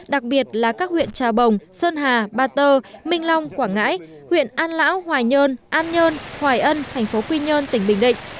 đặc biệt là các huyện trà bồng sơn hà ba tơ minh long quảng ngãi huyện an lão hoài nhơn an nhơn hoài ân thành phố quy nhơn tỉnh bình định